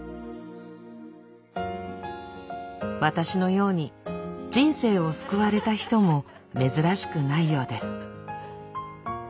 私のように人生を救われた人も珍しくないようです。